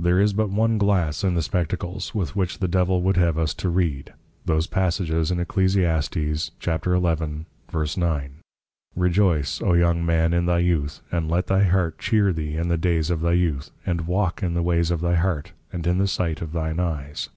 _ There is but one Glass in the Spectacles, with which the Devil would have us to read, those passages in Eccles. 11.9. _Rejoyce, O young Man in thy youth, and let thy Heart chear thee in the Dayes of thy youth, and walk in the ways of thy Heart, and in the sight of thine Eyes.